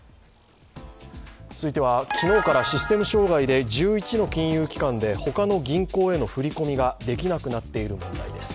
続いては、昨日からシステム障害で１１の金融機関で他の銀行への振り込みができなくなっている問題です。